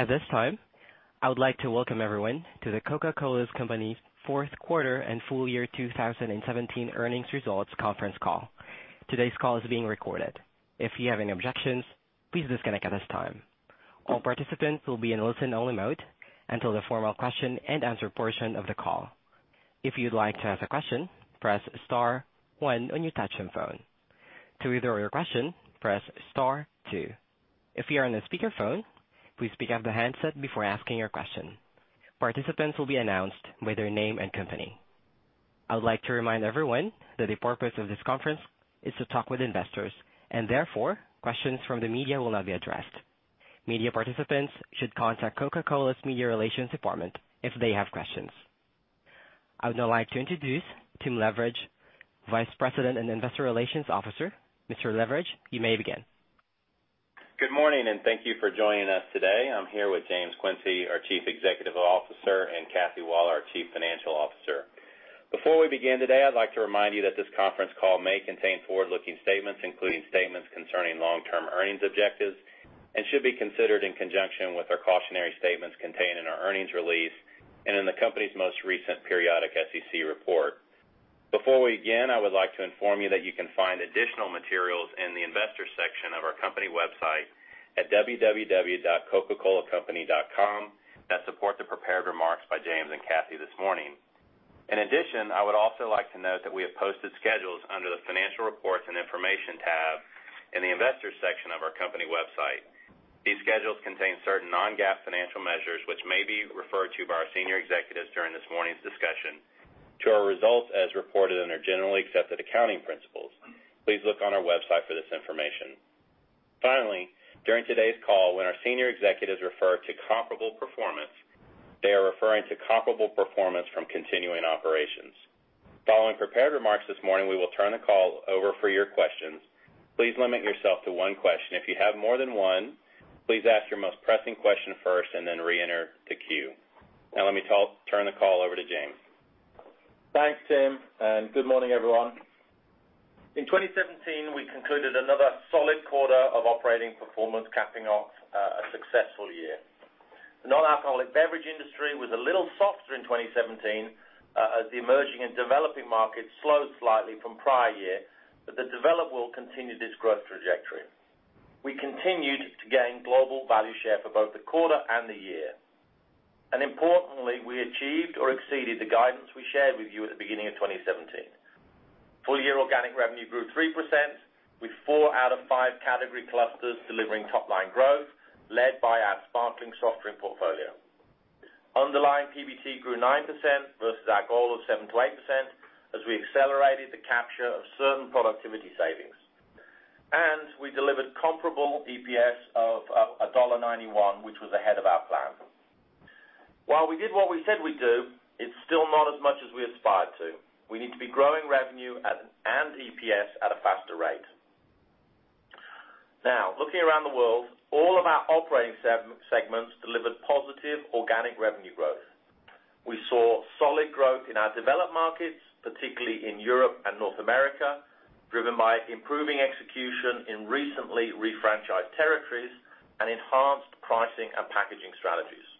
At this time, I would like to welcome everyone to The Coca-Cola Company fourth quarter and full year 2017 earnings results conference call. Today's call is being recorded. If you have any objections, please disconnect at this time. All participants will be in listen-only mode until the formal question and answer portion of the call. If you'd like to ask a question, press star one on your touchtone phone. To withdraw your question, press star two. If you are on a speakerphone, please pick up the handset before asking your question. Participants will be announced by their name and company. I would like to remind everyone that the purpose of this conference is to talk with investors. Therefore, questions from the media will not be addressed. Media participants should contact Coca-Cola's media relations department if they have questions. I would now like to introduce Tim Leveridge, Vice President and Investor Relations Officer. Mr. Leveridge, you may begin. Good morning. Thank you for joining us today. I'm here with James Quincey, our Chief Executive Officer, and Kathy Waller, our Chief Financial Officer. Before we begin today, I'd like to remind you that this conference call may contain forward-looking statements, including statements concerning long-term earnings objectives, and should be considered in conjunction with our cautionary statements contained in our earnings release and in the company's most recent periodic SEC report. Before we begin, I would like to inform you that you can find additional materials in the investor section of our company website at www.coca-colacompany.com that support the prepared remarks by James and Kathy this morning. In addition, I would also like to note that we have posted schedules under the financial reports and information tab in the investor section of our company website. These schedules contain certain non-GAAP financial measures, which may be referred to by our senior executives during this morning's discussion. To our results as reported in our Generally Accepted Accounting Principles, please look on our website for this information. Finally, during today's call, when our senior executives refer to comparable performance, they are referring to comparable performance from continuing operations. Following prepared remarks this morning, we will turn the call over for your questions. Please limit yourself to one question. If you have more than one, please ask your most pressing question first. Then reenter the queue. Now, let me turn the call over to James. Thanks, Tim, good morning, everyone. In 2017, we concluded another solid quarter of operating performance, capping off a successful year. The non-alcoholic beverage industry was a little softer in 2017, as the emerging and developing markets slowed slightly from prior year, but the developed world continued its growth trajectory. We continued to gain global value share for both the quarter and the year. Importantly, we achieved or exceeded the guidance we shared with you at the beginning of 2017. Full-year organic revenue grew 3%, with four out of five category clusters delivering top-line growth, led by our sparkling soft drink portfolio. Underlying PBT grew 9% versus our goal of 7%-8% as we accelerated the capture of certain productivity savings. We delivered comparable EPS of $1.91, which was ahead of our plan. While we did what we said we'd do, it's still not as much as we aspired to. We need to be growing revenue and EPS at a faster rate. Now, looking around the world, all of our operating segments delivered positive organic revenue growth. We saw solid growth in our developed markets, particularly in Europe and North America, driven by improving execution in recently refranchised territories and enhanced pricing and packaging strategies.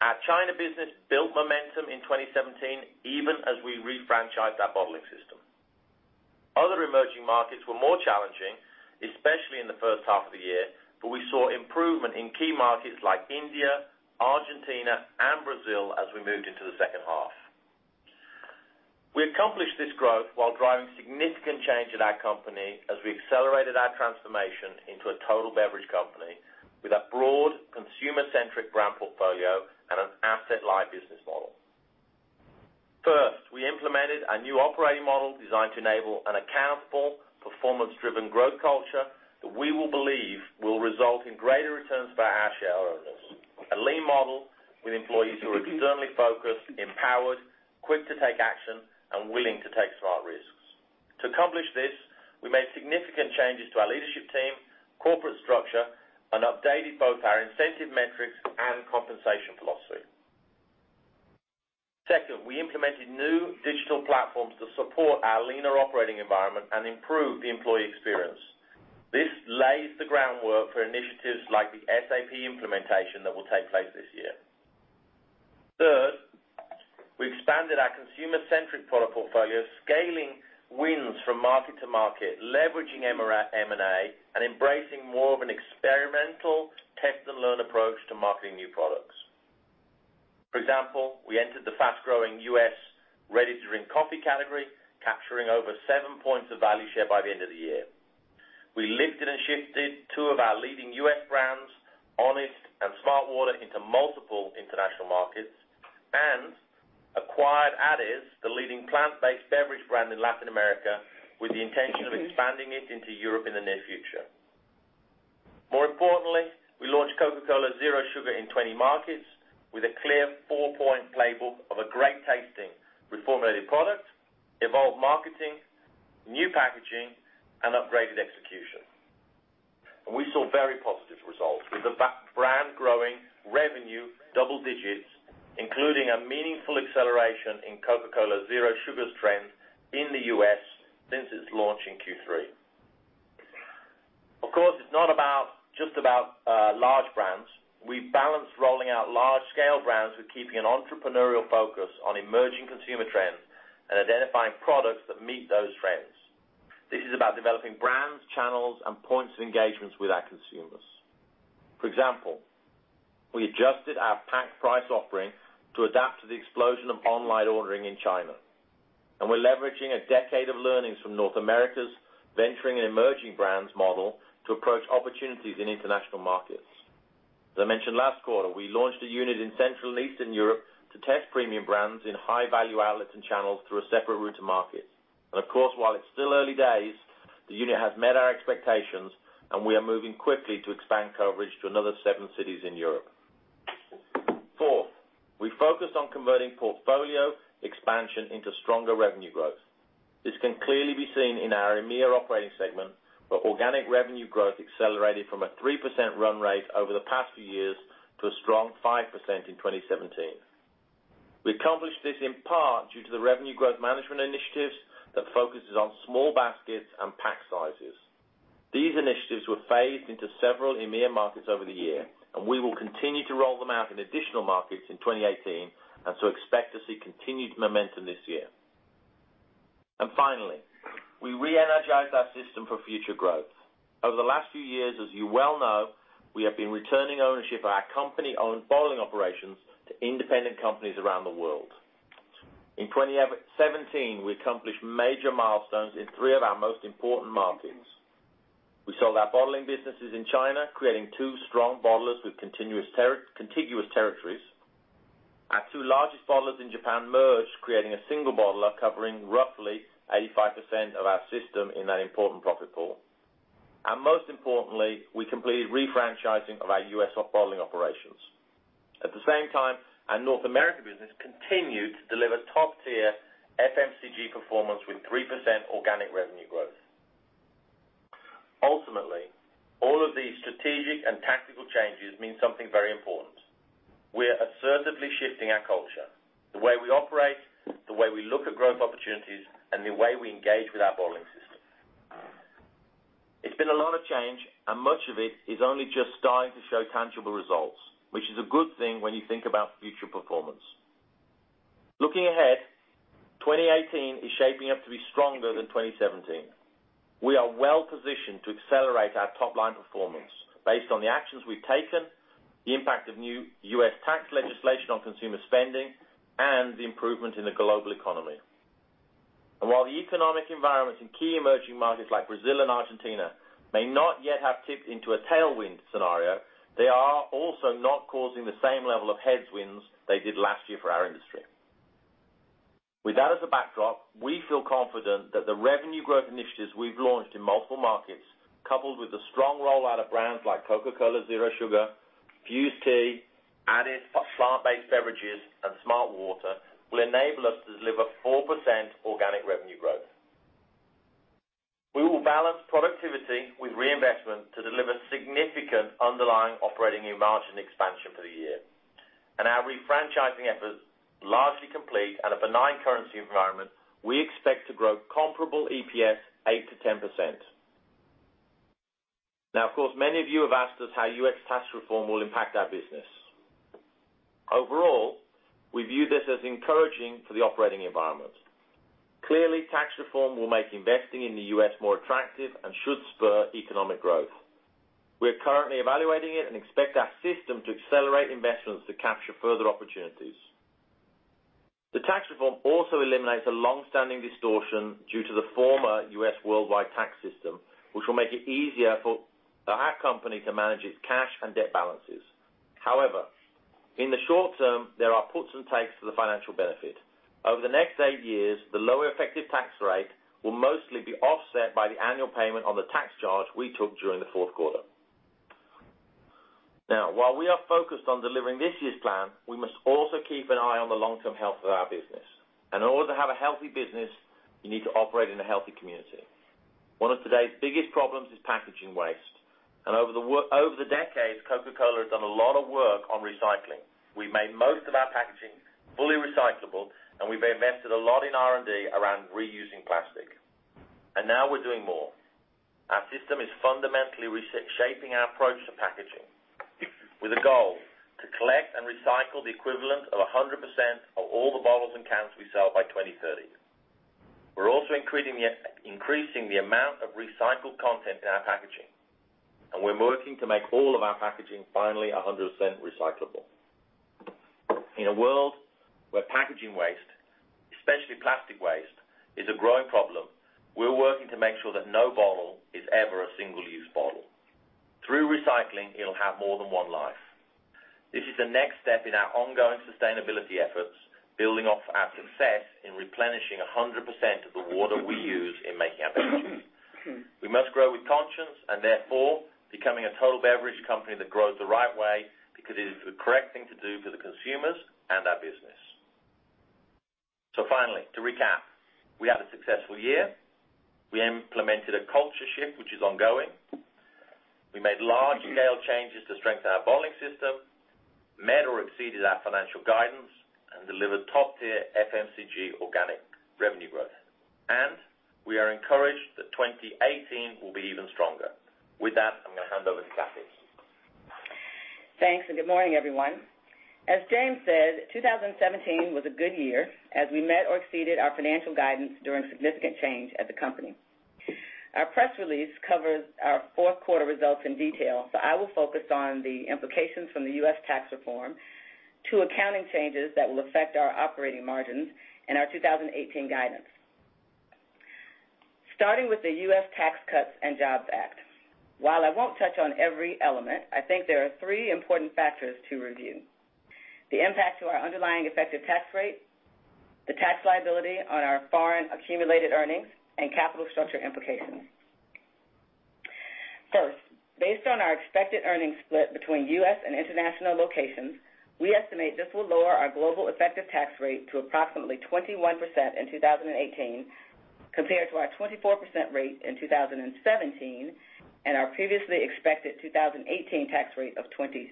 Our China business built momentum in 2017, even as we refranchised our bottling system. Other emerging markets were more challenging, especially in the first half of the year, but we saw improvement in key markets like India, Argentina, and Brazil as we moved into the second half. We accomplished this growth while driving significant change in our company as we accelerated our transformation into a total beverage company with a broad consumer-centric brand portfolio and an asset-light business model. First, we implemented a new operating model designed to enable an accountable, performance-driven growth culture that we will believe will result in greater returns for our shareowners. A lean model with employees who are externally focused, empowered, quick to take action, and willing to take smart risks. To accomplish this, we made significant changes to our leadership team, corporate structure, and updated both our incentive metrics and compensation philosophy. Second, we implemented new digital platforms to support our leaner operating environment and improve the employee experience. This lays the groundwork for initiatives like the SAP implementation that will take place this year. Third, we expanded our consumer-centric product portfolio, scaling wins from market to market, leveraging M&A, and embracing more of an experimental test-and-learn approach to marketing new products. For example, we entered the fast-growing U.S. ready-to-drink coffee category, capturing over seven points of value share by the end of the year. We lifted and shifted two of our leading U.S. brands, Honest and smartwater, into multiple international markets and acquired AdeS, the leading plant-based beverage brand in Latin America, with the intention of expanding it into Europe in the near future. More importantly, we launched Coca-Cola Zero Sugar in 20 markets with a clear four-point playbook of a great-tasting reformulated product, evolved marketing, new packaging, and upgraded execution. We saw very positive results, with the brand growing revenue double digits, including a meaningful acceleration in Coca-Cola Zero Sugar's trend in the U.S. Since its launch in Q3. Of course, it's not just about large brands. We balance rolling out large-scale brands with keeping an entrepreneurial focus on emerging consumer trends and identifying products that meet those trends. This is about developing brands, channels, and points of engagements with our consumers. For example, we adjusted our pack price offering to adapt to the explosion of online ordering in China. We're leveraging a decade of learnings from North America's venturing and emerging brands model to approach opportunities in international markets. As I mentioned last quarter, we launched a unit in Central Eastern Europe to test premium brands in high-value outlets and channels through a separate route to market. Of course, while it's still early days, the unit has met our expectations, and we are moving quickly to expand coverage to another seven cities in Europe. Fourth, we focused on converting portfolio expansion into stronger revenue growth. This can clearly be seen in our EMEA operating segment, where organic revenue growth accelerated from a 3% run rate over the past few years to a strong 5% in 2017. We accomplished this in part due to the revenue growth management initiatives that focuses on small baskets and pack sizes. These initiatives were phased into several EMEA markets over the year. We will continue to roll them out in additional markets in 2018, so expect to see continued momentum this year. Finally, we re-energized our system for future growth. Over the last few years, as you well know, we have been returning ownership of our company-owned bottling operations to independent companies around the world. In 2017, we accomplished major milestones in three of our most important markets. We sold our bottling businesses in China, creating two strong bottlers with contiguous territories. Our two largest bottlers in Japan merged, creating a single bottler covering roughly 85% of our system in that important profit pool. Most importantly, we completed refranchising of our U.S. bottling operations. At the same time, our North American business continued to deliver top-tier FMCG performance with 3% organic revenue growth. Ultimately, all of these strategic and tactical changes mean something very important. We are assertively shifting our culture, the way we operate, the way we look at growth opportunities, and the way we engage with our bottling system. It's been a lot of change, and much of it is only just starting to show tangible results, which is a good thing when you think about future performance. Looking ahead, 2018 is shaping up to be stronger than 2017. We are well-positioned to accelerate our top-line performance based on the actions we've taken, the impact of new U.S. tax legislation on consumer spending, and the improvement in the global economy. While the economic environments in key emerging markets like Brazil and Argentina may not yet have tipped into a tailwind scenario, they are also not causing the same level of headwinds they did last year for our industry. With that as a backdrop, we feel confident that the revenue growth initiatives we've launched in multiple markets, coupled with the strong rollout of brands like Coca-Cola Zero Sugar, Fuze Tea, AdeS plant-based beverages, and smartwater, will enable us to deliver 4% organic revenue growth. We will balance productivity with reinvestment to deliver significant underlying operating margin expansion for the year. Our refranchising efforts largely complete at a benign currency environment, we expect to grow comparable EPS 8%-10%. Now, of course, many of you have asked us how U.S. tax reform will impact our business. Overall, we view this as encouraging to the operating environment. Clearly, tax reform will make investing in the U.S. more attractive and should spur economic growth. We are currently evaluating it and expect our system to accelerate investments to capture further opportunities. The tax reform also eliminates a long-standing distortion due to the former U.S. worldwide tax system, which will make it easier for our company to manage its cash and debt balances. However, in the short term, there are puts and takes to the financial benefit. Over the next eight years, the lower effective tax rate will mostly be offset by the annual payment on the tax charge we took during the fourth quarter. Now, while we are focused on delivering this year's plan, we must also keep an eye on the long-term health of our business. In order to have a healthy business, you need to operate in a healthy community. One of today's biggest problems is packaging waste, and over the decades, Coca-Cola has done a lot of work on recycling. We made most of our packaging fully recyclable, and we've invested a lot in R&D around reusing plastic. Now we're doing more. Our system is fundamentally reshaping our approach to packaging with a goal to collect and recycle the equivalent of 100% of all the bottles and cans we sell by 2030. We're also increasing the amount of recycled content in our packaging, and we're working to make all of our packaging finally 100% recyclable. In a world where packaging waste, especially plastic waste, is a growing problem, we're working to make sure that no bottle is ever a single-use bottle. Through recycling, it'll have more than one life. This is the next step in our ongoing sustainability efforts, building off our success in replenishing 100% of the water we use in making our beverages. We must grow with conscience and therefore becoming a total beverage company that grows the right way because it is the correct thing to do for the consumers and our business. Finally, to recap, we had a successful year. We implemented a culture shift which is ongoing. We made large-scale changes to strengthen our bottling system. Exceeded our financial guidance and delivered top-tier FMCG organic revenue growth. We are encouraged that 2018 will be even stronger. With that, I'm going to hand over to Kathy. Thanks. Good morning, everyone. As James said, 2017 was a good year, as we met or exceeded our financial guidance during significant change at the company. Our press release covers our fourth quarter results in detail. I will focus on the implications from the U.S. tax reform to accounting changes that will affect our operating margins and our 2018 guidance. Starting with the U.S. Tax Cuts and Jobs Act. While I won't touch on every element, I think there are three important factors to review: the impact to our underlying effective tax rate, the tax liability on our foreign accumulated earnings, and capital structure implications. First, based on our expected earnings split between U.S. and international locations, we estimate this will lower our global effective tax rate to approximately 21% in 2018 compared to our 24% rate in 2017 and our previously expected 2018 tax rate of 26%.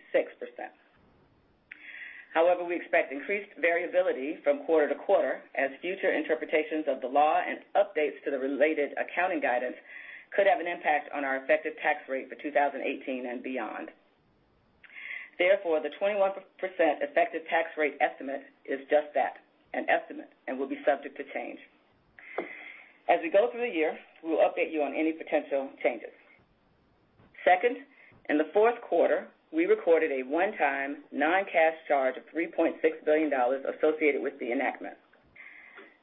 We expect increased variability from quarter to quarter as future interpretations of the law and updates to the related accounting guidance could have an impact on our effective tax rate for 2018 and beyond. The 21% effective tax rate estimate is just that, an estimate, and will be subject to change. As we go through the year, we will update you on any potential changes. In the fourth quarter, we recorded a one-time non-cash charge of $3.6 billion associated with the enactment.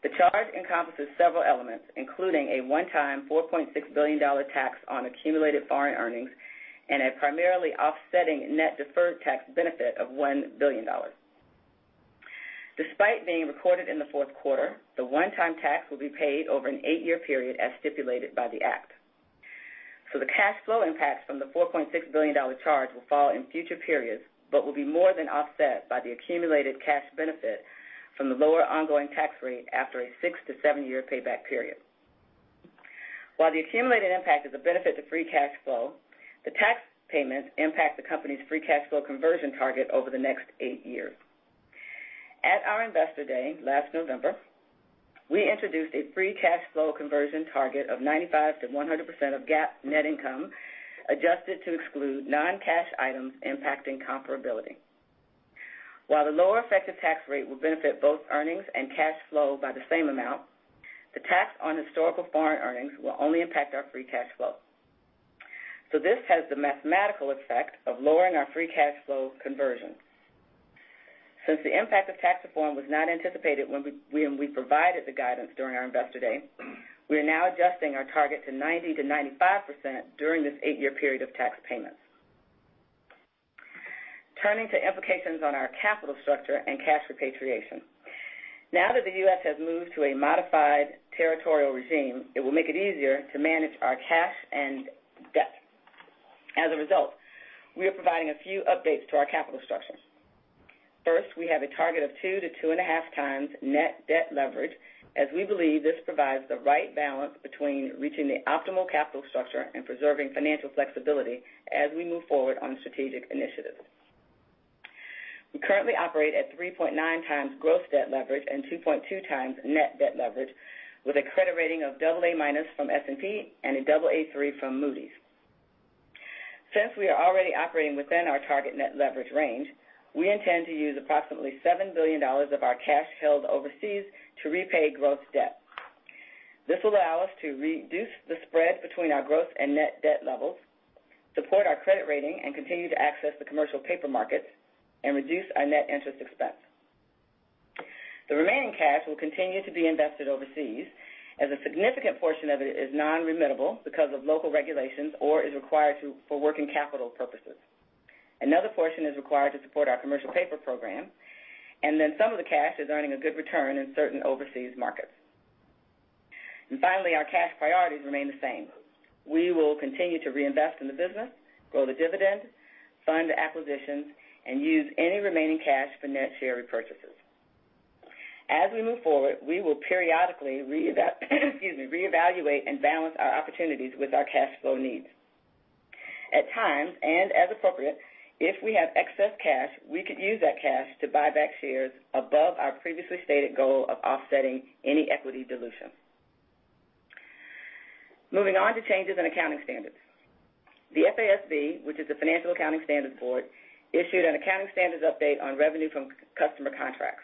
The charge encompasses several elements, including a one-time $4.6 billion tax on accumulated foreign earnings and a primarily offsetting net deferred tax benefit of $1 billion. Despite being recorded in the fourth quarter, the one-time tax will be paid over an 8-year period as stipulated by the act. The cash flow impact from the $4.6 billion charge will fall in future periods but will be more than offset by the accumulated cash benefit from the lower ongoing tax rate after a 6- to 7-year payback period. While the accumulated impact is a benefit to free cash flow, the tax payments impact the company's free cash flow conversion target over the next 8 years. At our Investor Day last November, we introduced a free cash flow conversion target of 95%-100% of GAAP net income, adjusted to exclude non-cash items impacting comparability. While the lower effective tax rate will benefit both earnings and cash flow by the same amount, the tax on historical foreign earnings will only impact our free cash flow. This has the mathematical effect of lowering our free cash flow conversion. Since the impact of tax reform was not anticipated when we provided the guidance during our Investor Day, we are now adjusting our target to 90%-95% during this 8-year period of tax payments. Turning to implications on our capital structure and cash repatriation. Now that the U.S. has moved to a modified territorial regime, it will make it easier to manage our cash and debt. As a result, we are providing a few updates to our capital structure. First, we have a target of 2 to 2.5x net debt leverage, as we believe this provides the right balance between reaching the optimal capital structure and preserving financial flexibility as we move forward on strategic initiatives. We currently operate at 3.9 times gross debt leverage and 2.2 times net debt leverage with a credit rating of AA- from S&P and a Aa3 from Moody's. Since we are already operating within our target net leverage range, we intend to use approximately $7 billion of our cash held overseas to repay gross debt. This will allow us to reduce the spread between our gross and net debt levels, support our credit rating, and continue to access the commercial paper markets and reduce our net interest expense. The remaining cash will continue to be invested overseas as a significant portion of it is non-remittable because of local regulations or is required for working capital purposes. Another portion is required to support our commercial paper program, some of the cash is earning a good return in certain overseas markets. Finally, our cash priorities remain the same. We will continue to reinvest in the business, grow the dividend, fund acquisitions, and use any remaining cash for net share repurchases. As we move forward, we will periodically reevaluate and balance our opportunities with our cash flow needs. At times, and as appropriate, if we have excess cash, we could use that cash to buy back shares above our previously stated goal of offsetting any equity dilution. Moving on to changes in accounting standards. The FASB, which is the Financial Accounting Standards Board, issued an accounting standards update on revenue from customer contracts.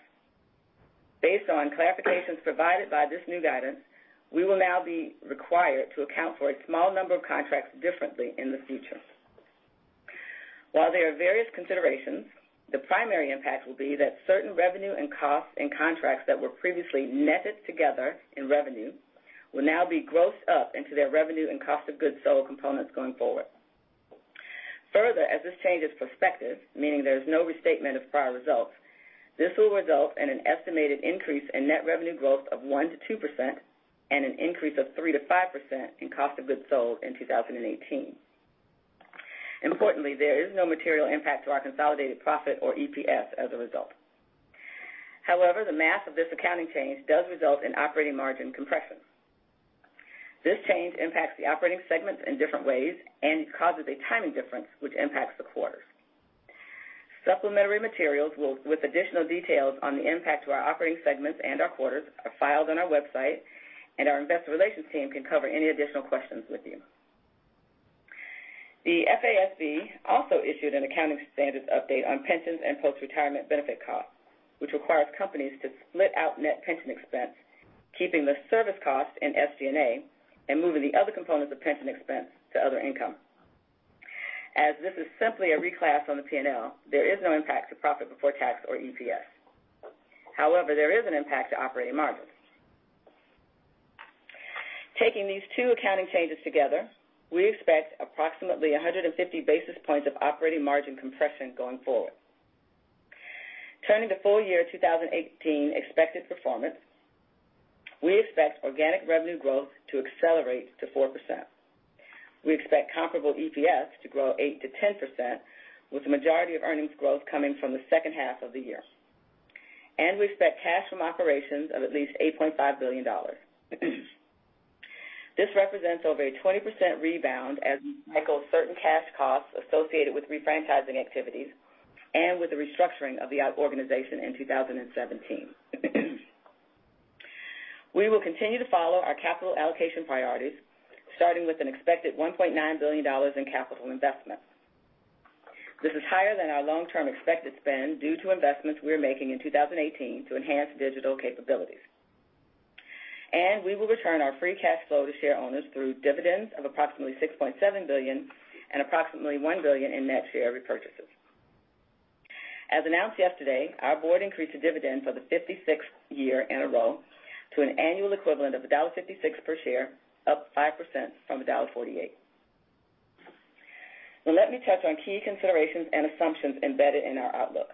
Based on clarifications provided by this new guidance, we will now be required to account for a small number of contracts differently in the future. While there are various considerations, the primary impact will be that certain revenue and costs and contracts that were previously netted together in revenue will now be grossed up into their revenue and cost of goods sold components going forward. Further, as this change is prospective, meaning there is no restatement of prior results, this will result in an estimated increase in net revenue growth of 1%-2% and an increase of 3%-5% in cost of goods sold in 2018. Importantly, there is no material impact to our consolidated profit or EPS as a result. However, the math of this accounting change does result in operating margin compression. This change impacts the operating segments in different ways and causes a timing difference, which impacts the quarters. Supplementary materials with additional details on the impact to our operating segments and our quarters are filed on our website. Our investor relations team can cover any additional questions with you. The FASB also issued an accounting standards update on pensions and post-retirement benefit costs, which requires companies to split out net pension expense, keeping the service cost in SG&A and moving the other components of pension expense to other income. As this is simply a reclass on the P&L, there is no impact to profit before tax or EPS. However, there is an impact to operating margins. Taking these two accounting changes together, we expect approximately 150 basis points of operating margin compression going forward. Turning to full year 2018 expected performance, we expect organic revenue growth to accelerate to 4%. We expect comparable EPS to grow 8%-10%, with the majority of earnings growth coming from the second half of the year. We expect cash from operations of at least $8.5 billion. This represents over a 20% rebound as we cycle certain cash costs associated with refranchising activities and with the restructuring of the organization in 2017. We will continue to follow our capital allocation priorities, starting with an expected $1.9 billion in capital investments. This is higher than our long-term expected spend due to investments we're making in 2018 to enhance digital capabilities. We will return our free cash flow to share owners through dividends of approximately $6.7 billion and approximately $1 billion in net share repurchases. As announced yesterday, our board increased the dividend for the 56th year in a row to an annual equivalent of $1.56 per share, up 5% from $1.48. Now let me touch on key considerations and assumptions embedded in our outlook.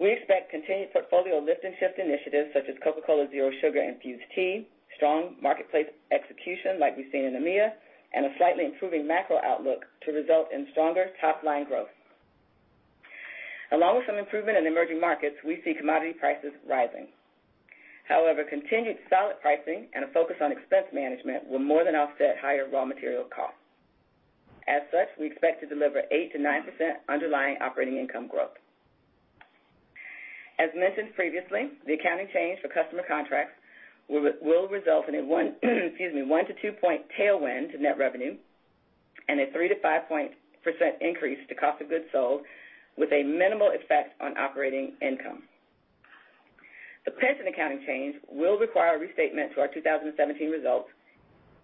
We expect continued portfolio lift and shift initiatives such as Coca-Cola Zero Sugar Fuze Tea, strong marketplace execution like we've seen in EMEA, and a slightly improving macro outlook to result in stronger top-line growth. Along with some improvement in emerging markets, we see commodity prices rising. However, continued solid pricing and a focus on expense management will more than offset higher raw material costs. As such, we expect to deliver 8%-9% underlying operating income growth. As mentioned previously, the accounting change for customer contracts will result in a one to two-point tailwind to net revenue and a 3%-5% increase to cost of goods sold with a minimal effect on operating income. The pension accounting change will require a restatement to our 2017 results.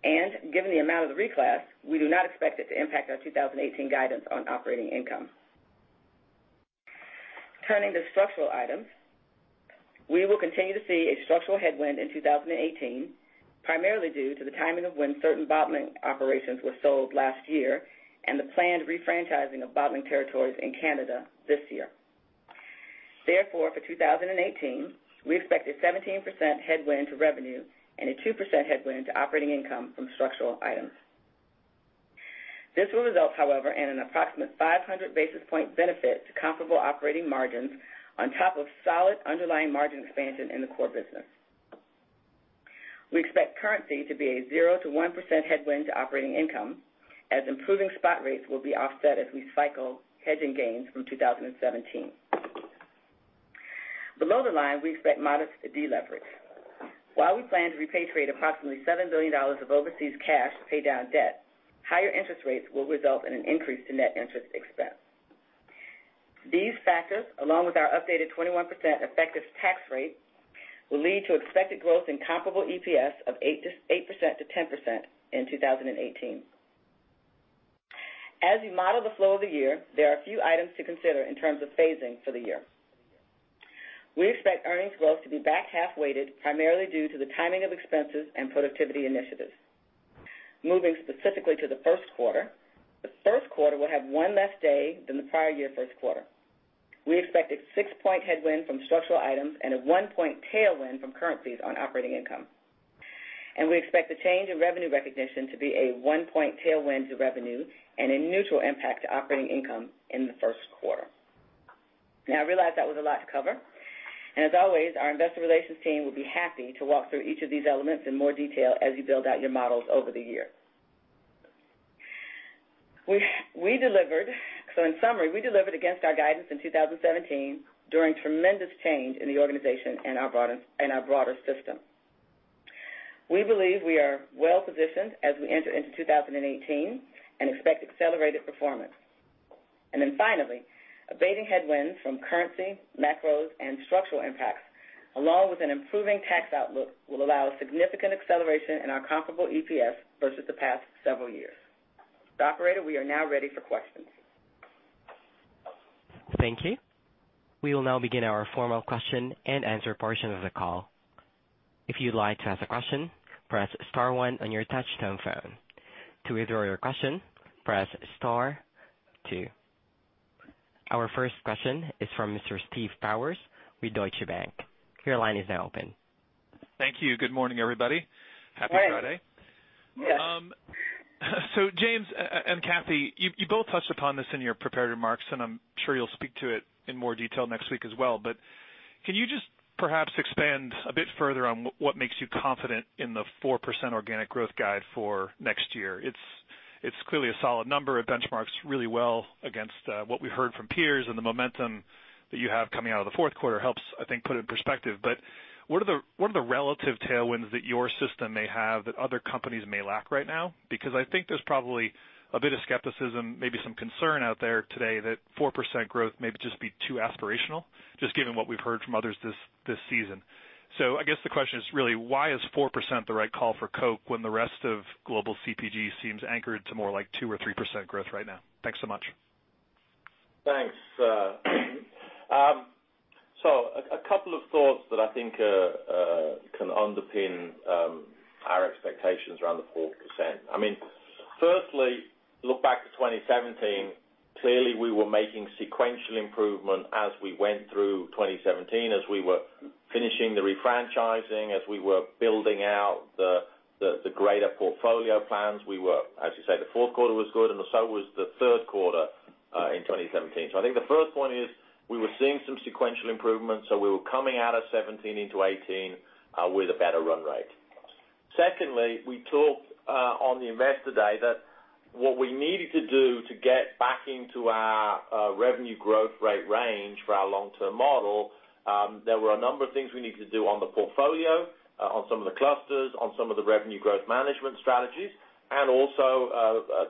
Given the amount of the reclass, we do not expect it to impact our 2018 guidance on operating income. Turning to structural items, we will continue to see a structural headwind in 2018, primarily due to the timing of when certain bottling operations were sold last year and the planned refranchising of bottling territories in Canada this year. Therefore, for 2018, we expect a 17% headwind to revenue and a 2% headwind to operating income from structural items. This will result, however, in an approximate 500 basis point benefit to comparable operating margins on top of solid underlying margin expansion in the core business. We expect currency to be a 0%-1% headwind to operating income as improving spot rates will be offset as we cycle hedging gains from 2017. Below the line, we expect modest deleverage. While we plan to repatriate approximately $7 billion of overseas cash to pay down debt, higher interest rates will result in an increase to net interest expense. These factors, along with our updated 21% effective tax rate, will lead to expected growth in comparable EPS of 8%-10% in 2018. As we model the flow of the year, there are a few items to consider in terms of phasing for the year. We expect earnings growth to be back-half weighted, primarily due to the timing of expenses and productivity initiatives. Moving specifically to the first quarter, the first quarter will have one less day than the prior year first quarter. We expect a six-point headwind from structural items and a one-point tailwind from currencies on operating income. We expect the change in revenue recognition to be a one-point tailwind to revenue and a neutral impact to operating income in the first quarter. I realize that was a lot to cover. As always, our investor relations team will be happy to walk through each of these elements in more detail as you build out your models over the year. In summary, we delivered against our guidance in 2017 during tremendous change in the organization and our broader system. We believe we are well-positioned as we enter into 2018 and expect accelerated performance. Finally, abating headwinds from currency, macros, and structural impacts, along with an improving tax outlook, will allow a significant acceleration in our comparable EPS versus the past several years. Operator, we are now ready for questions. Thank you. We will now begin our formal question-and-answer portion of the call. If you'd like to ask a question, press star one on your touchtone phone. To withdraw your question, press star two. Our first question is from Mr. Steve Powers with Deutsche Bank. Your line is now open. Thank you. Good morning, everybody. Good morning. Happy Friday. Yes. James and Kathy, you both touched upon this in your prepared remarks, and I'm sure you'll speak to it in more detail next week as well. Can you just perhaps expand a bit further on what makes you confident in the 4% organic growth guide for next year? It's clearly a solid number. It benchmarks really well against what we heard from peers, and the momentum that you have coming out of the fourth quarter helps, I think, put it in perspective. What are the relative tailwinds that your system may have that other companies may lack right now? Because I think there's probably a bit of skepticism, maybe some concern out there today that 4% growth may just be too aspirational, just given what we've heard from others this season. I guess the question is really, why is 4% the right call for Coke when the rest of global CPG seems anchored to more like 2% or 3% growth right now? Thanks so much. Thanks. A couple of thoughts that I think can underpin our expectations around the 4%. Firstly, look back to 2017. Clearly, we were making sequential improvement as we went through 2017, as we were finishing the refranchising, as we were building out the greater portfolio plans. We were, as you say, the fourth quarter was good, and so was the third quarter in 2017. I think the first point is we were seeing some sequential improvements. We were coming out of 2017 into 2018 with a better run rate. Secondly, we talked on the investor day that what we needed to do to get back into our revenue growth rate range for our long-term model, there were a number of things we needed to do on the portfolio, on some of the clusters, on some of the revenue growth management strategies, and also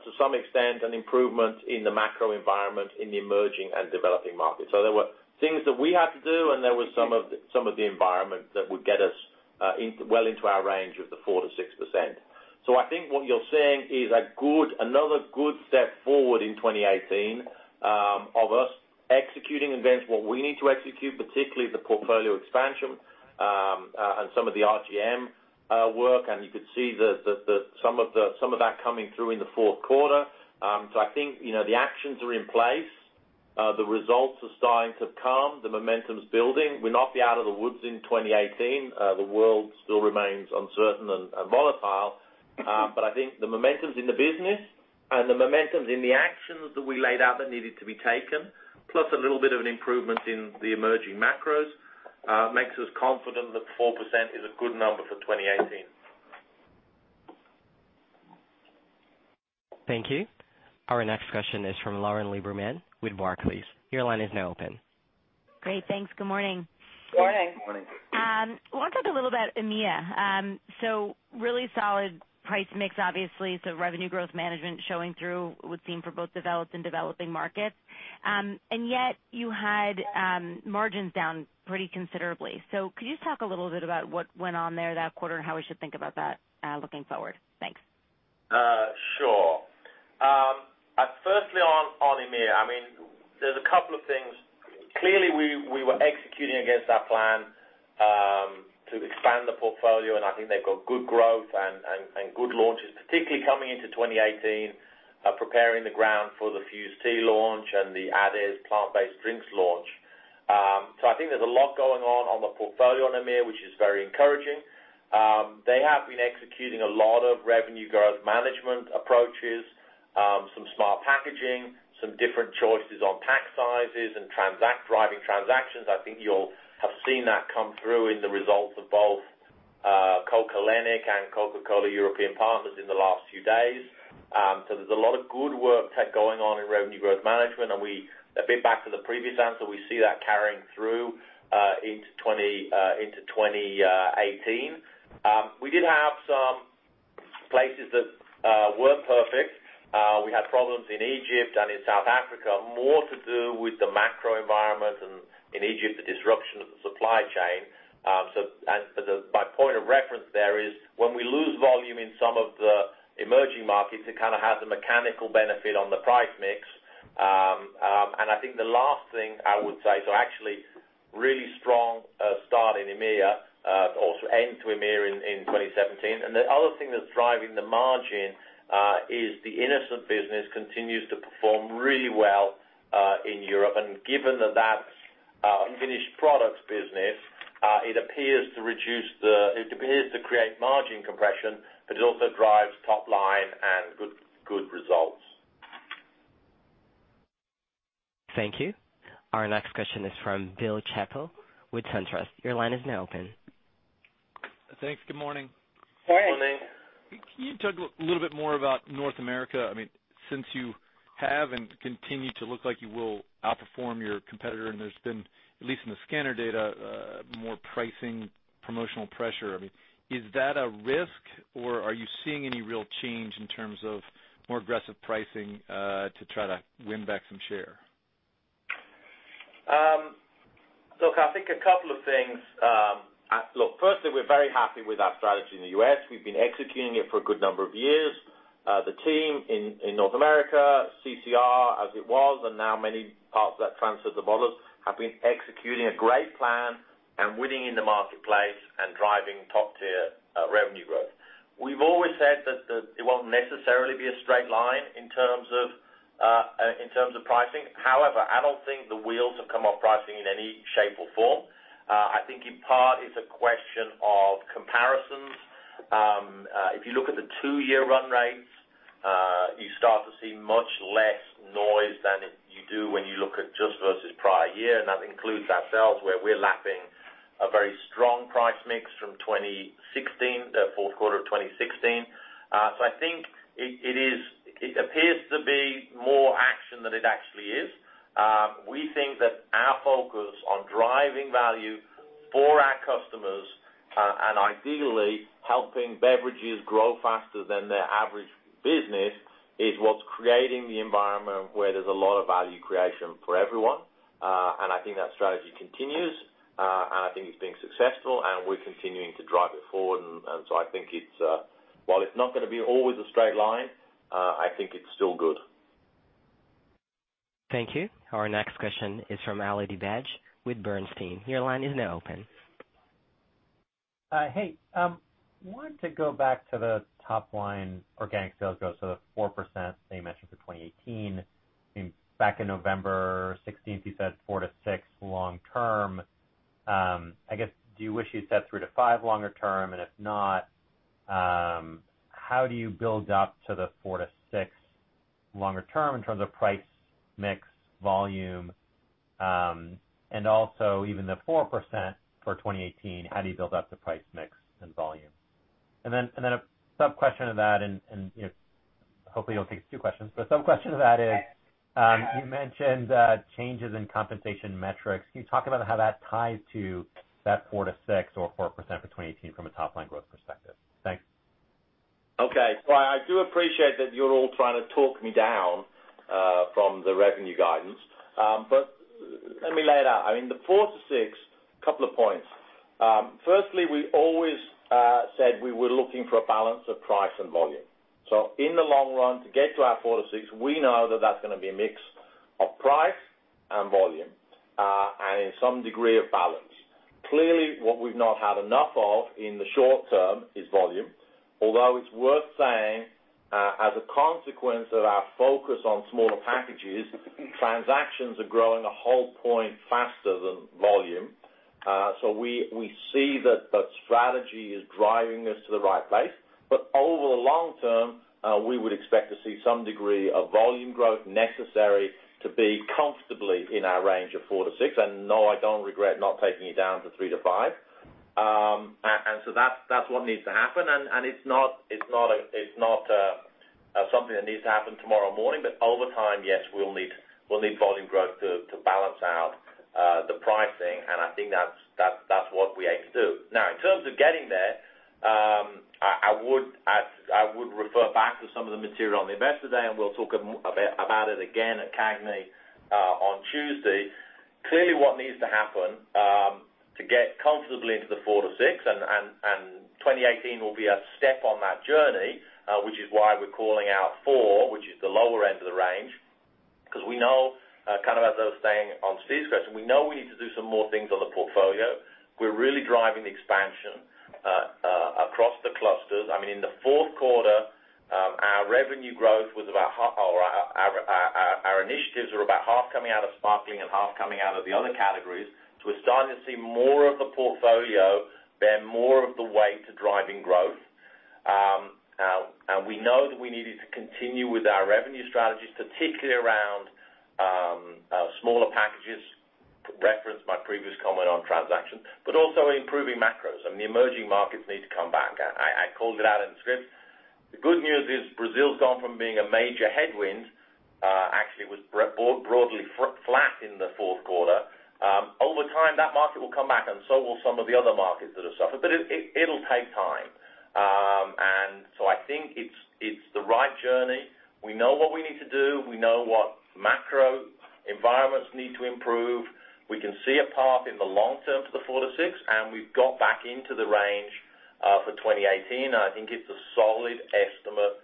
to some extent, an improvement in the macro environment in the emerging and developing markets. There were things that we had to do, and there was some of the environment that would get us well into our range of the 4%-6%. I think what you're seeing is another good step forward in 2018 of us executing against what we need to execute, particularly the portfolio expansion, and some of the RGM work. You could see some of that coming through in the fourth quarter. I think the actions are in place. The results are starting to come. The momentum's building. We'll not be out of the woods in 2018. The world still remains uncertain and volatile. I think the momentum in the business and the momentum in the actions that we laid out that needed to be taken, plus a little bit of an improvement in the emerging macros, makes us confident that 4% is a good number for 2018. Thank you. Our next question is from Lauren Lieberman with Barclays. Your line is now open. Great. Thanks. Good morning. Good morning. Morning. Want to talk a little about EMEA. Really solid price mix, obviously, revenue growth management showing through would seem for both developed and developing markets. Yet you had margins down pretty considerably. Could you just talk a little bit about what went on there that quarter and how we should think about that looking forward? Thanks. Sure. Firstly, on EMEA, there's a couple of things. Clearly, we were executing against our plan to expand the portfolio, and I think they've got good growth and good launches, particularly coming into 2018, preparing the ground for the Fuze Tea launch and the AdeS plant-based drinks launch. I think there's a lot going on the portfolio on EMEA, which is very encouraging. They have been executing a lot of revenue growth management approaches, some smart packaging, some different choices on pack sizes and driving transactions. I think you'll have seen that come through in the results of both Coca-Cola HBC and Coca-Cola European Partners in the last few days. There's a lot of good work going on in revenue growth management, and a bit back to the previous answer, we see that carrying through into 2018. We did have some places that weren't perfect. We had problems in Egypt and in South Africa, more to do with the macro environment and in Egypt, the disruption of the supply chain. My point of reference there is when we lose volume in some of the emerging markets, it kind of has a mechanical benefit on the price mix. I think the last thing I would say, actually really strong start in EMEA, also end to EMEA in 2017. The other thing that's driving the margin is the Innocent business continues to perform really well in Europe. Given that that's a finished products business, it appears to create margin compression, but it also drives top line and good results. Thank you. Our next question is from Bill Chappell with SunTrust. Your line is now open. Thanks. Good morning. Good morning. Can you talk a little bit more about North America since you have and continue to look like you will outperform your competitor, and there's been, at least in the scanner data, more pricing, promotional pressure. Is that a risk, or are you seeing any real change in terms of more aggressive pricing to try to win back some share? Look, I think a couple of things. Firstly, we're very happy with our strategy in the U.S. We've been executing it for a good number of years. The team in North America, CCR as it was, and now many parts of that transfer to bottlers, have been executing a great plan and winning in the marketplace and driving top-tier revenue growth. We've always said that it won't necessarily be a straight line in terms of pricing. I don't think the wheels have come off pricing in any shape or form. I think in part, it's a question of comparisons. If you look at the 2-year run rates, you start to see much less noise than you do when you look at just versus prior year, and that includes ourselves, where we're lapping a very strong price mix from 2016, the fourth quarter of 2016. I think it appears to be more action than it actually is. We think that our focus on driving value for our customers, and ideally helping beverages grow faster than their average business, is what's creating the environment where there's a lot of value creation for everyone. I think that strategy continues, and I think it's been successful, and we're continuing to drive it forward. I think while it's not going to be always a straight line, I think it's still good. Thank you. Our next question is from Ali Dibadj with Bernstein. Your line is now open. Hey. Wanted to go back to the top-line organic sales growth, so the 4% that you mentioned for 2018. Back in November 2016, you said 4% to 6% long term. I guess, do you wish you'd said 3% to 5% longer term? If not, how do you build up to the 4% to 6% longer term in terms of price mix, volume? Also, even the 4% for 2018, how do you build up the price mix and volume? Then a sub-question of that and, hopefully you'll take two questions. Sub-question to that is, you mentioned changes in compensation metrics. Can you talk about how that ties to that 4% to 6% or 4% for 2018 from a top-line growth perspective? Thanks. I do appreciate that you're all trying to talk me down from the revenue guidance. Let me lay it out. I mean, the 4%-6%, couple of points. Firstly, we always said we were looking for a balance of price and volume. In the long run, to get to our 4%-6%, we know that that's going to be a mix of price and volume, and in some degree of balance. Clearly, what we've not had enough of in the short term is volume, although it's worth saying, as a consequence of our focus on smaller packages, transactions are growing 1 point faster than volume. We see that the strategy is driving us to the right place. Over the long term, we would expect to see some degree of volume growth necessary to be comfortably in our range of 4%-6%. No, I don't regret not taking it down to 3%-5%. That's what needs to happen, and it's not something that needs to happen tomorrow morning. Over time, yes, we'll need volume growth to balance out the pricing, and I think that's what we aim to do. Now, in terms of getting there, I would refer back to some of the material on the investor day, and we'll talk about it again at CAGNY on Tuesday. Clearly, what needs to happen to get comfortably into the 4%-6%, and 2018 will be a step on that journey, which is why we're calling out 4, which is the lower end of the range, because we know, kind of as I was saying on Steve's question, we know we need to do some more things on the portfolio. We're really driving expansion across the clusters. In the fourth quarter, our initiatives were about half coming out of sparkling and half coming out of the other categories. We're starting to see more of the portfolio bear more of the weight to driving growth. We know that we needed to continue with our revenue strategies, particularly around smaller packages, referenced my previous comment on transactions, but also improving macros. The emerging markets need to come back. I called it out in the script. The good news is Brazil's gone from being a major headwind, actually was broadly flat in the fourth quarter. Over time, that market will come back, and so will some of the other markets that have suffered. It'll take time. I think it's the right journey. We know what we need to do. We know what macro environments need to improve. We can see a path in the long term to the 4%-6%, and we've got back into the range for 2018. I think it's a solid estimate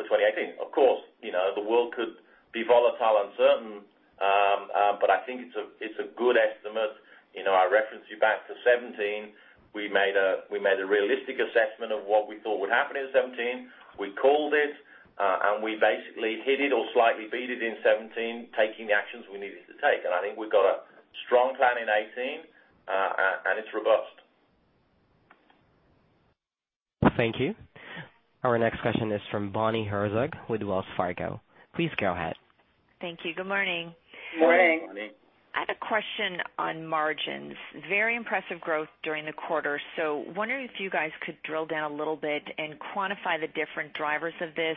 for 2018. Of course, the world could be volatile, uncertain. I think it's a good estimate. I referenced you back to 2017. We made a realistic assessment of what we thought would happen in 2017. We called it, and we basically hit it or slightly beat it in 2017, taking the actions we needed to take. I think we've got a strong plan in 2018, and it's robust. Thank you. Our next question is from Bonnie Herzog with Wells Fargo. Please go ahead. Thank you. Good morning. Good morning. I had a question on margins. Very impressive growth during the quarter. Wondering if you guys could drill down a little bit and quantify the different drivers of this,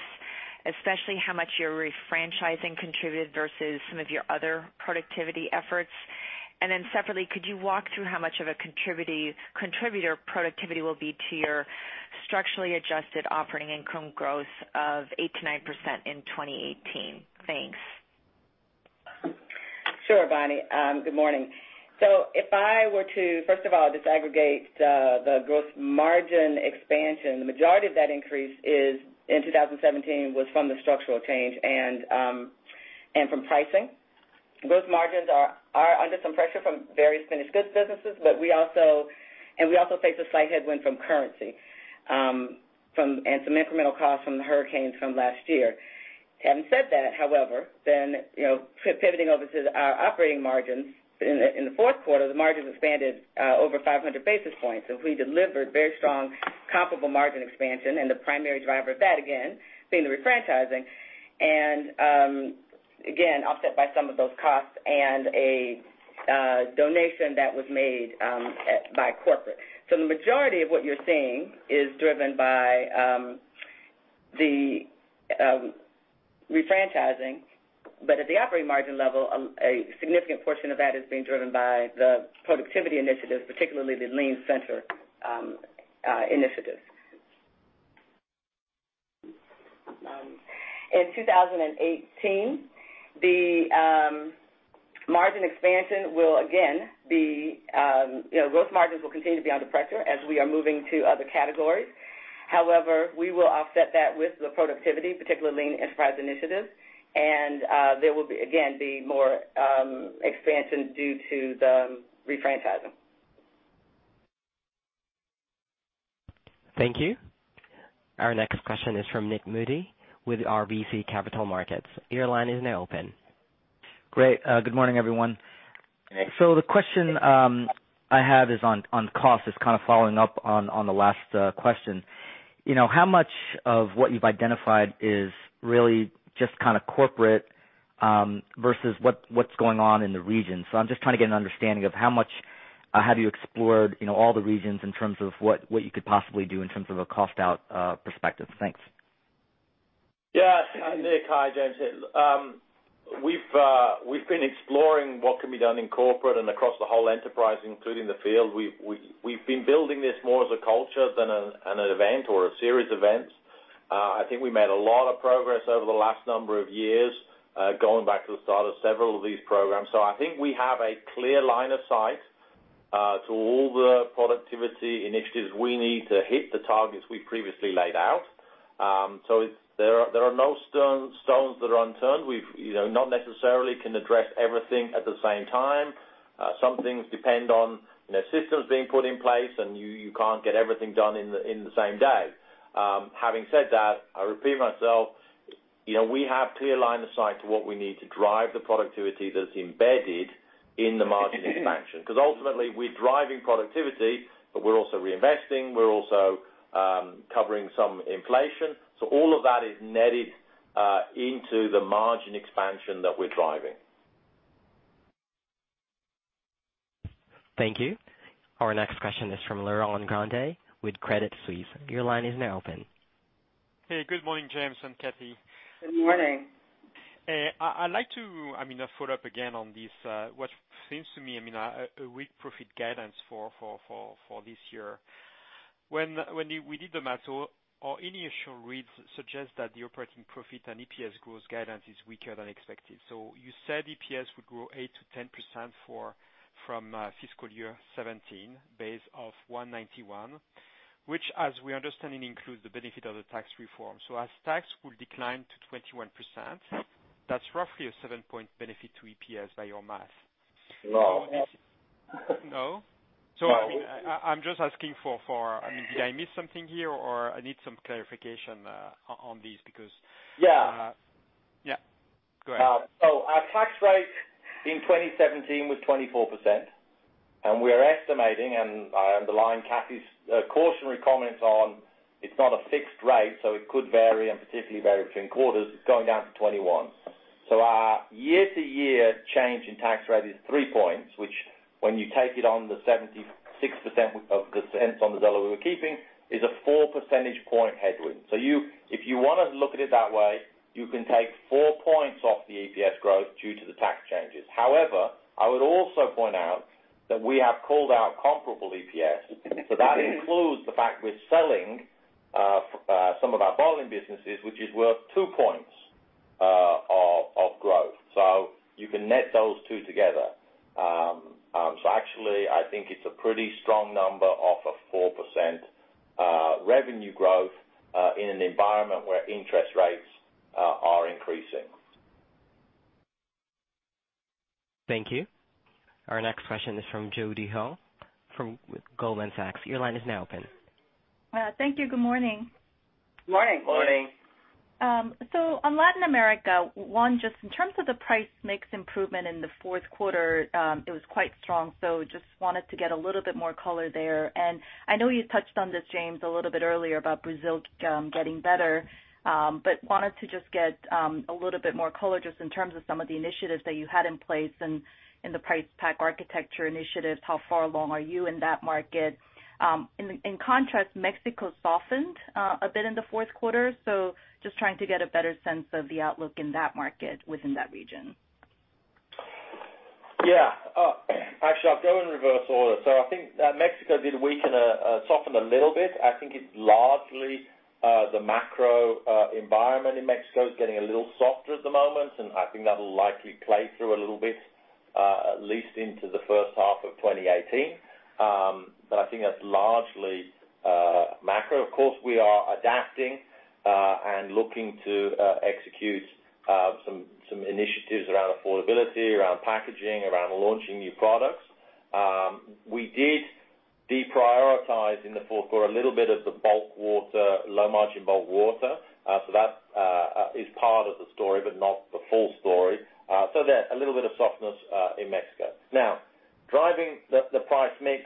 especially how much your refranchising contributed versus some of your other productivity efforts. Separately, could you walk through how much of a contributor productivity will be to your structurally adjusted operating income growth of 8%-9% in 2018? Thanks. Sure, Bonnie. Good morning. If I were to, first of all, disaggregate the gross margin expansion, the majority of that increase in 2017 was from the structural change and from pricing. Gross margins are under some pressure from various finished goods businesses, we also face a slight headwind from currency, some incremental costs from the hurricanes from last year. Having said that, however, pivoting over to our operating margins in the fourth quarter, the margins expanded over 500 basis points. We delivered very strong comparable margin expansion, the primary driver of that, again, being the refranchising. Again, offset by some of those costs and a donation that was made by corporate. The majority of what you're seeing is driven by the refranchising. At the operating margin level, a significant portion of that is being driven by the productivity initiatives, particularly the lean enterprise initiatives. In 2018, Gross margins will continue to be under pressure as we are moving to other categories. We will offset that with the productivity, particularly lean enterprise initiatives, there will, again, be more expansion due to the refranchising. Thank you. Our next question is from Nik Modi with RBC Capital Markets. Your line is now open. Great. Good morning, everyone. Good morning. The question I have is on cost. It's kind of following up on the last question. How much of what you've identified is really just corporate versus what's going on in the region? I'm just trying to get an understanding of how much have you explored all the regions in terms of what you could possibly do in terms of a cost-out perspective. Thanks. Yeah. Nik, hi. James here. We've been exploring what can be done in corporate and across the whole enterprise, including the field. We've been building this more as a culture than an event or a series of events. I think we made a lot of progress over the last number of years, going back to the start of several of these programs. I think we have a clear line of sight to all the productivity initiatives we need to hit the targets we previously laid out. There are no stones that are unturned. We not necessarily can address everything at the same time. Some things depend on systems being put in place, and you can't get everything done in the same day. Having said that, I repeat myself. We have clear line of sight to what we need to drive the productivity that's embedded in the margin expansion. Ultimately, we're driving productivity, but we're also reinvesting. We're also covering some inflation. All of that is netted into the margin expansion that we're driving. Thank you. Our next question is from Laurent Grandet with Credit Suisse. Your line is now open. Hey, good morning, James and Kathy. Good morning. I'd like to follow up again on this, what seems to me, a weak profit guidance for this year. When we did the math, our initial reads suggest that the operating profit and EPS growth guidance is weaker than expected. You said EPS would grow 8%-10% from FY 2017, base of 191, which, as we understand, it includes the benefit of the tax reform. As tax will decline to 21%, that's roughly a seven-point benefit to EPS by your math. No. No? No. I'm just asking for Did I miss something here, or I need some clarification on this. Yeah. Yeah. Go ahead. Our tax rate in 2017 was 24%, and we're estimating, I underline Kathy's cautionary comments on it's not a fixed rate, so it could vary and particularly vary between quarters. It's going down to 21. Our year-to-year change in tax rate is 3 points, which when you take it on the 76% of the cents on the dollar we're keeping, is a 4 percentage point headwind. If you want to look at it that way, you can take 4 points off the EPS growth due to the tax changes. However, I would also point out that we have called out comparable EPS. That includes the fact we're selling some of our bottling businesses, which is worth 2 points of growth. You can net those 2 together. Actually, I think it's a pretty strong number off of 4% revenue growth, in an environment where interest rates are increasing. Thank you. Our next question is from Judy Hong with Goldman Sachs. Your line is now open. Thank you. Good morning. Morning. Morning. On Latin America, 1, just in terms of the price mix improvement in the fourth quarter, it was quite strong. Just wanted to get a little bit more color there. I know you touched on this, James, a little bit earlier about Brazil getting better. Wanted to just get a little bit more color just in terms of some of the initiatives that you had in place and in the price pack architecture initiatives, how far along are you in that market? In contrast, Mexico softened a bit in the fourth quarter, just trying to get a better sense of the outlook in that market within that region. Yeah. Actually, I'll go in reverse order. I think Mexico did soften a little bit. I think it's largely the macro environment in Mexico is getting a little softer at the moment, I think that'll likely play through a little bit. At least into the first half of 2018. I think that's largely macro. Of course, we are adapting and looking to execute some initiatives around affordability, around packaging, around launching new products. We did deprioritize in the fourth quarter a little bit of the bulk water, low-margin bulk water. That is part of the story, but not the full story. There, a little bit of softness in Mexico. Driving the price mix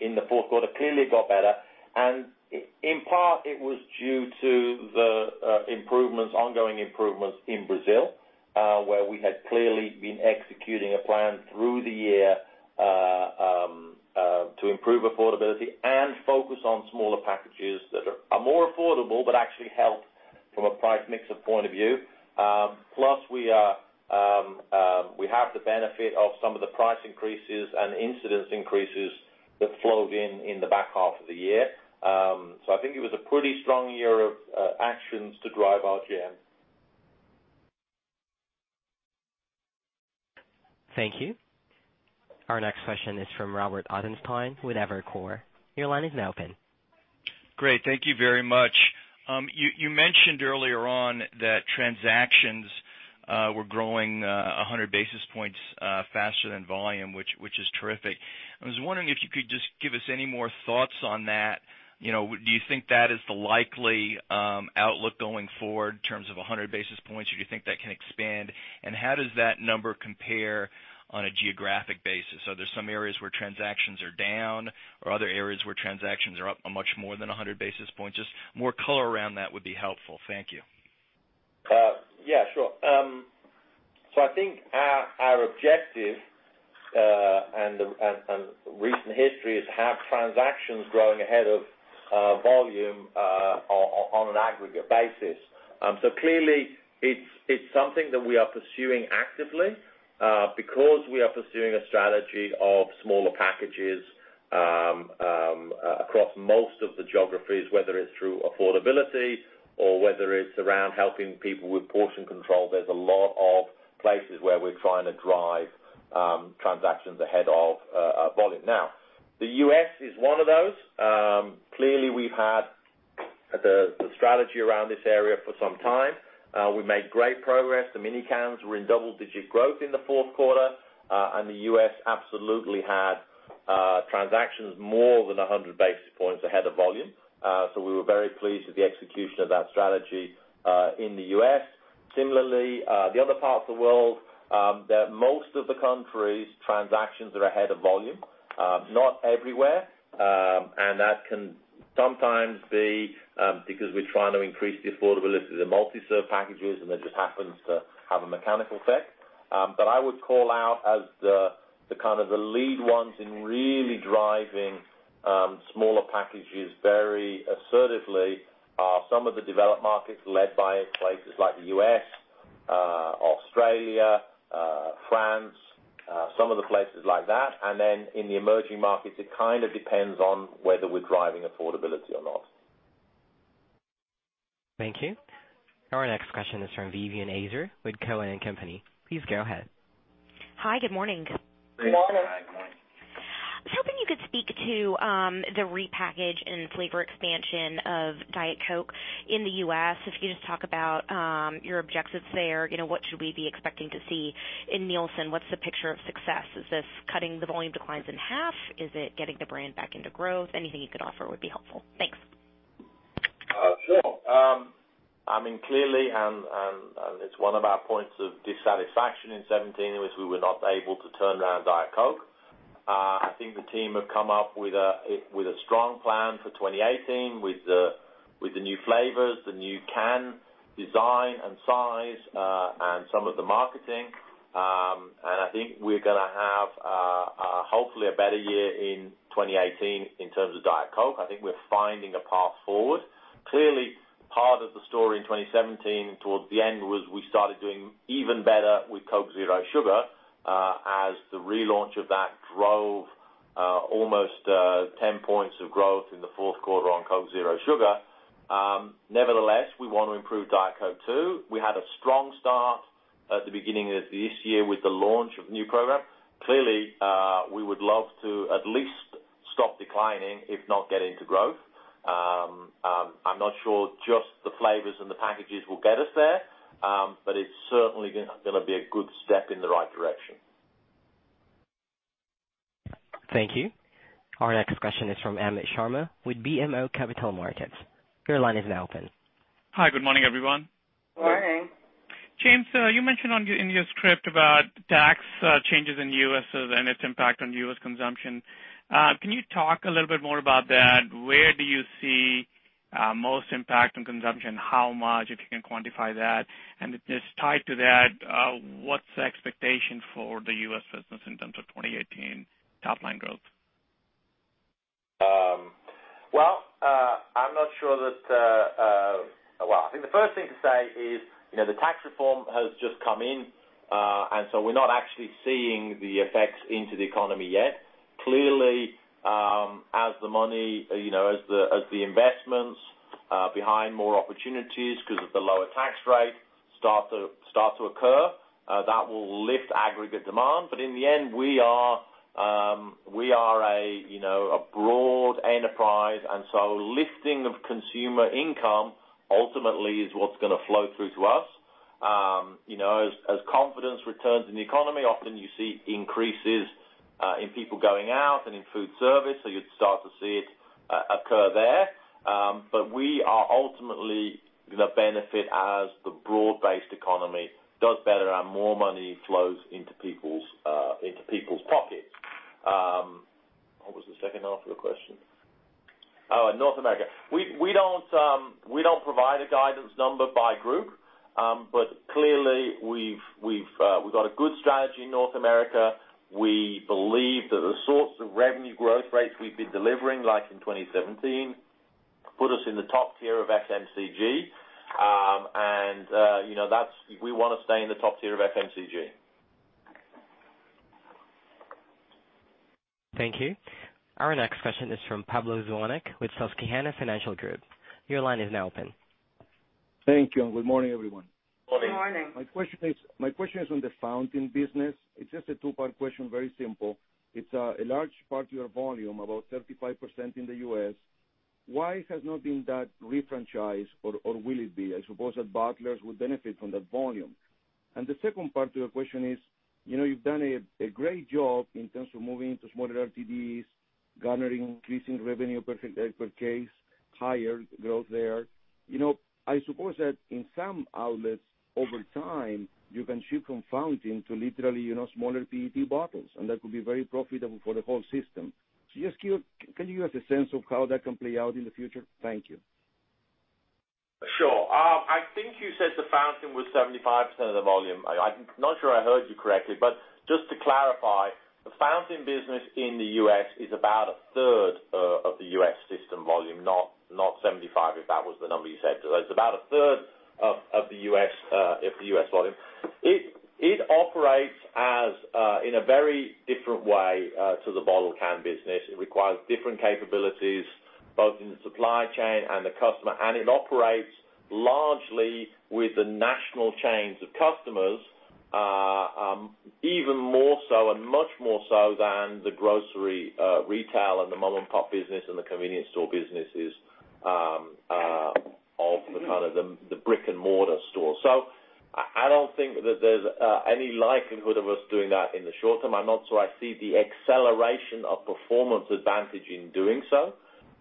in the fourth quarter clearly got better, in part, it was due to the ongoing improvements in Brazil, where we had clearly been executing a plan through the year to improve affordability and focus on smaller packages that are more affordable but actually help from a price mix point of view. Plus, we have the benefit of some of the price increases and incidence increases that flowed in in the back half of the year. I think it was a pretty strong year of actions to drive our GM. Thank you. Our next question is from Robert Ottenstein with Evercore. Your line is now open. Great. Thank you very much. You mentioned earlier on that transactions were growing 100 basis points faster than volume, which is terrific. I was wondering if you could just give us any more thoughts on that. Do you think that is the likely outlook going forward in terms of 100 basis points, or do you think that can expand? How does that number compare on a geographic basis? Are there some areas where transactions are down or other areas where transactions are up much more than 100 basis points? Just more color around that would be helpful. Thank you. Yeah, sure. I think our objective and recent history is to have transactions growing ahead of volume on an aggregate basis. Clearly it's something that we are pursuing actively because we are pursuing a strategy of smaller packages across most of the geographies, whether it's through affordability or whether it's around helping people with portion control. There's a lot of places where we're trying to drive transactions ahead of volume. Now, the U.S. is one of those. Clearly, we've had the strategy around this area for some time. We made great progress. The mini cans were in double-digit growth in the fourth quarter, the U.S. absolutely had transactions more than 100 basis points ahead of volume. We were very pleased with the execution of that strategy in the U.S. Similarly, the other parts of the world, most of the countries, transactions are ahead of volume. Not everywhere, that can sometimes be because we're trying to increase the affordability of the multi-serve packages, it just happens to have a mechanical effect. I would call out as the lead ones in really driving smaller packages very assertively are some of the developed markets led by places like the U.S., Australia, France, some of the places like that. Then in the emerging markets, it kind of depends on whether we're driving affordability or not. Thank you. Our next question is from Vivien Azer with Cowen and Company. Please go ahead. Hi. Good morning. Good morning. Hi. Good morning. I was hoping you could speak to the repackage and flavor expansion of Diet Coke in the U.S. If you could just talk about your objectives there, what should we be expecting to see in Nielsen? What's the picture of success? Is this cutting the volume declines in half? Is it getting the brand back into growth? Anything you could offer would be helpful. Thanks. Sure. Clearly, it's one of our points of dissatisfaction in 2017 was we were not able to turn around Diet Coke. I think the team have come up with a strong plan for 2018 with the new flavors, the new can design and size, and some of the marketing. I think we're going to have, hopefully, a better year in 2018 in terms of Diet Coke. I think we're finding a path forward. Clearly, part of the story in 2017 towards the end was we started doing even better with Coke Zero Sugar as the relaunch of that drove almost 10 points of growth in the fourth quarter on Coke Zero Sugar. Nevertheless, we want to improve Diet Coke, too. We had a strong start at the beginning of this year with the launch of new product. Clearly, we would love to at least stop declining, if not get into growth. I'm not sure just the flavors and the packages will get us there, but it's certainly going to be a good step in the right direction. Thank you. Our next question is from Amit Sharma with BMO Capital Markets. Your line is now open. Hi. Good morning, everyone. Good morning. Good morning. James, you mentioned in your script about tax changes in the U.S. and its impact on U.S. consumption. Can you talk a little bit more about that? Where do you see most impact on consumption? How much, if you can quantify that? And just tied to that, what's the expectation for the U.S. business in terms of 2018 top-line growth? I think the first thing to say is the tax reform has just come in, we're not actually seeing the effects into the economy yet. Clearly, as the investments Behind more opportunities because of the lower tax rate start to occur. That will lift aggregate demand. In the end, we are a broad enterprise, lifting of consumer income ultimately is what's going to flow through to us. As confidence returns in the economy, often you see increases in people going out and in food service, you'd start to see it occur there. We are ultimately going to benefit as the broad-based economy does better and more money flows into people's pockets. What was the second half of the question? Oh, North America. We don't provide a guidance number by group. Clearly, we've got a good strategy in North America. We believe that the sorts of revenue growth rates we've been delivering, like in 2017, put us in the top tier of FMCG. We want to stay in the top tier of FMCG. Thank you. Our next question is from Pablo Zuanic with Susquehanna Financial Group. Your line is now open. Thank you. Good morning, everyone. Morning. Good morning. My question is on the fountain business. It's just a two-part question, very simple. It's a large part of your volume, about 35% in the U.S. Why has not been that refranchised or will it be? I suppose that bottlers would benefit from that volume. The second part to the question is, you've done a great job in terms of moving into smaller RTDs, garnering, increasing revenue per case, higher growth there. I suppose that in some outlets over time, you can shift from fountain to literally, smaller PET bottles, and that could be very profitable for the whole system. Just can you give a sense of how that can play out in the future? Thank you. Sure. I think you said the fountain was 75% of the volume. I'm not sure I heard you correctly, but just to clarify, the fountain business in the U.S. is about a third of the U.S. system volume, not 75%, if that was the number you said. It's about a third of the U.S. volume. It operates in a very different way to the bottle can business. It requires different capabilities, both in the supply chain and the customer, and it operates largely with the national chains of customers, even more so and much more so than the grocery, retail, and the mom-and-pop business and the convenience store businesses of the kind of the brick-and-mortar store. I don't think that there's any likelihood of us doing that in the short term. I'm not sure I see the acceleration of performance advantage in doing so.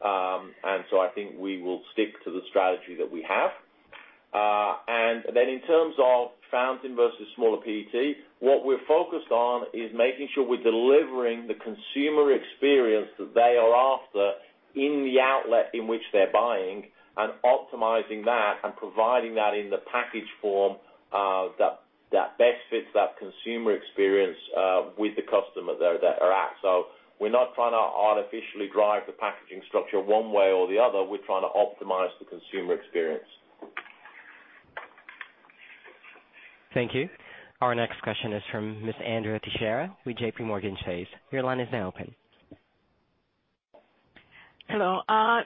I think we will stick to the strategy that we have. In terms of fountain versus smaller PET, what we're focused on is making sure we're delivering the consumer experience that they are after in the outlet in which they're buying and optimizing that and providing that in the package form that best fits that consumer experience with the customer they're at. We're not trying to artificially drive the packaging structure one way or the other. We're trying to optimize the consumer experience. Thank you. Our next question is from Miss Andrea Teixeira with JP Morgan Chase. Your line is now open. Hello.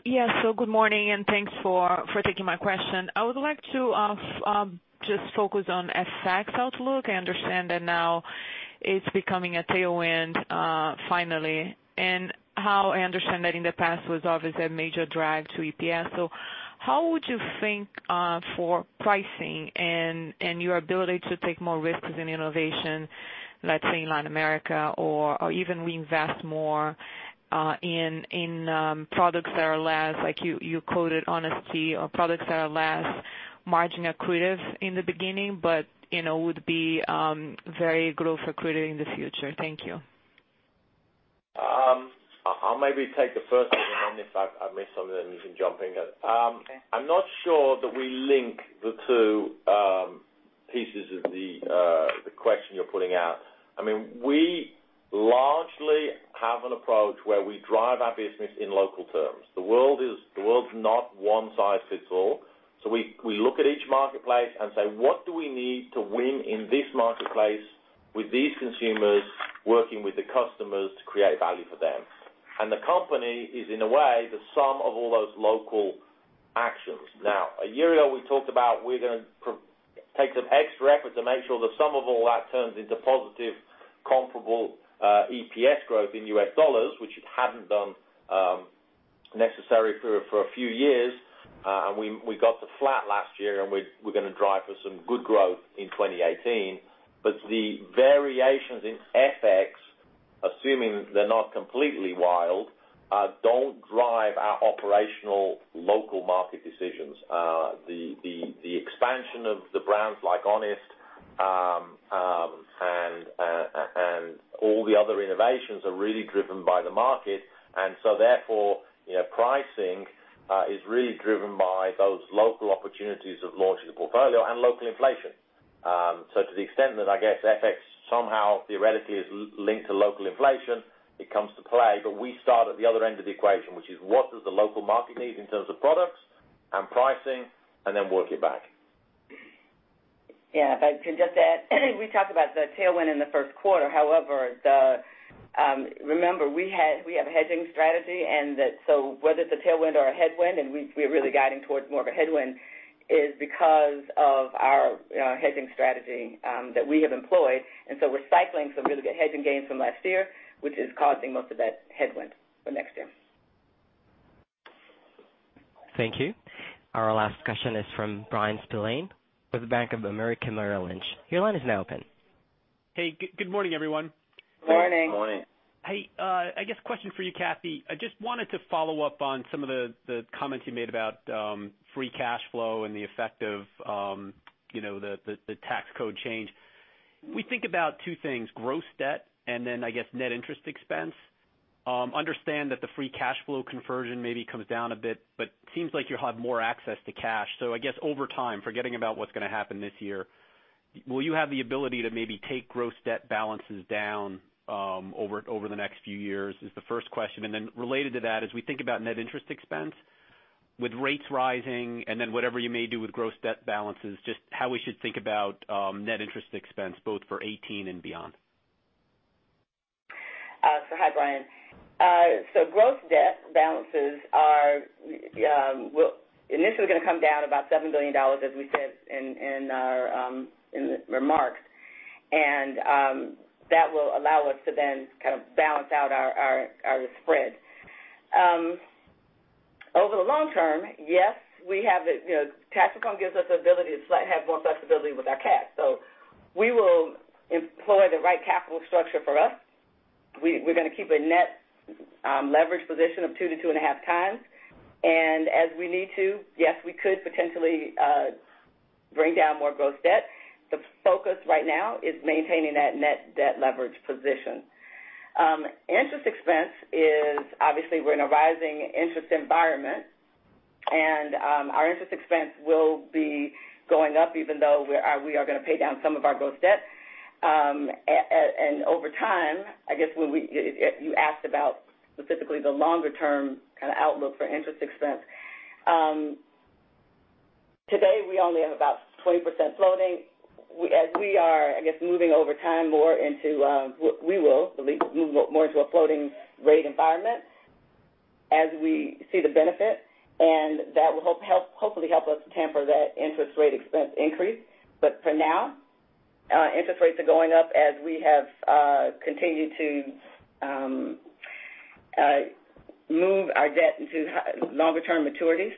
Yes, good morning, thanks for taking my question. I would like to just focus on FX outlook. I understand that now it's becoming a tailwind finally, how I understand that in the past was obviously a major drag to EPS. How would you think for pricing and your ability to take more risks in innovation, let's say in Latin America or even reinvest more in products that are less, like you quoted Honest Tea or products that are less margin accretive in the beginning but would be very growth accretive in the future? Thank you. I'll maybe take the first one, and then if I miss something, you can jump in. Okay. I'm not sure that we link the two pieces of the question you're putting out. We largely have an approach where we drive our business in local terms. The world is not one size fits all. We look at each marketplace and say, "What do we need to win in this marketplace with these consumers, working with the customers to create value for them?" The company is, in a way, the sum of all those local actions. Now, a year ago, we talked about we're going to take some extra effort to make sure the sum of all that turns into positive, comparable EPS growth in US dollars, which it hadn't done necessary for a few years. We got to flat last year, and we're going to drive for some good growth in 2018. The variations in FX, assuming they're not completely wild, don't drive our operational local market decisions. The expansion of the brands like Honest and all the other innovations are really driven by the market, therefore, pricing is really driven by those local opportunities of launching the portfolio and local inflation. To the extent that I guess FX somehow theoretically is linked to local inflation, it comes to play, but we start at the other end of the equation, which is what does the local market need in terms of products and pricing, and then work it back. Yeah. If I can just add, we talked about the tailwind in the first quarter. However, remember, we have a hedging strategy, whether it's a tailwind or a headwind, and we're really guiding towards more of a headwind, is because of our hedging strategy that we have employed. We're cycling some really good hedging gains from last year, which is causing most of that headwind for next year. Thank you. Our last question is from Bryan Spillane with Bank of America Merrill Lynch. Your line is now open. Hey, good morning, everyone. Good morning. Good morning. Hey, I guess question for you, Kathy. I just wanted to follow up on some of the comments you made about free cash flow and the effect of the tax code change. We think about two things, gross debt and then I guess net interest expense. Understand that the free cash flow conversion maybe comes down a bit, but seems like you'll have more access to cash. I guess over time, forgetting about what's going to happen this year, will you have the ability to maybe take gross debt balances down over the next few years, is the first question. Related to that, as we think about net interest expense, with rates rising and then whatever you may do with gross debt balances, just how we should think about net interest expense both for 2018 and beyond. Hi, Bryan. Gross debt balances are initially going to come down about $7 billion, as we said in the remarks. That will allow us to then kind of balance out our spread. Over the long term, yes. Tax code gives us the ability to have more flexibility with our cash. We will employ the right capital structure for us. We're going to keep a net leverage position of 2x-2.5x. As we need to, yes, we could potentially bring down more gross debt. The focus right now is maintaining that net debt leverage position. Interest expense is obviously we're in a rising interest environment, and our interest expense will be going up even though we are going to pay down some of our gross debt. Over time, I guess you asked about specifically the longer-term kind of outlook for interest expense. Today we only have about 20% floating. As we are moving over time more into what we believe, move more into a floating rate environment as we see the benefit, and that will hopefully help us temper that interest rate expense increase. For now, interest rates are going up as we have continued to move our debt into longer-term maturities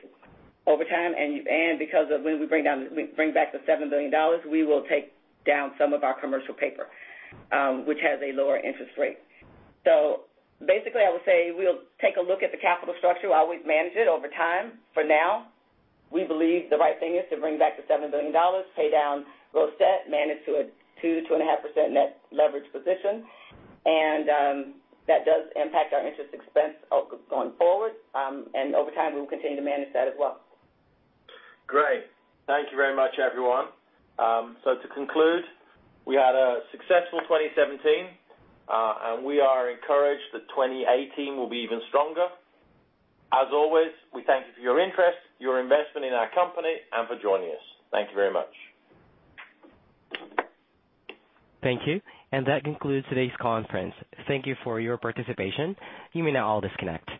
over time. Because of when we bring back the $7 billion, we will take down some of our commercial paper, which has a lower interest rate. Basically, I would say we'll take a look at the capital structure while we manage it over time. For now, we believe the right thing is to bring back the $7 billion, pay down gross debt, manage to a 2%-2.5% net leverage position. That does impact our interest expense going forward. Over time, we will continue to manage that as well. Great. Thank you very much, everyone. To conclude, we had a successful 2017. We are encouraged that 2018 will be even stronger. As always, we thank you for your interest, your investment in our company, and for joining us. Thank you very much. Thank you. That concludes today's conference. Thank you for your participation. You may now all disconnect.